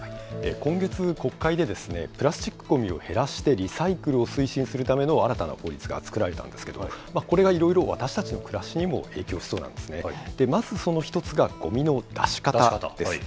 今月、国会で、プラスチックごみを減らしてリサイクルを推進するための新たな法律が作られたんですけど、これがいろいろ私たちの暮らしにも影響しそうなんですね。